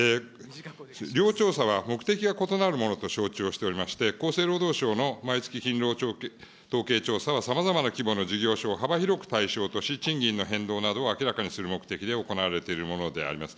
両調査は目的が異なるものと承知をしておりまして、厚生労働省の毎月勤労統計調査はさまざまな規模の事業所を幅広く対象とし、賃金の変動などを明らかにする目的で行われているものであります。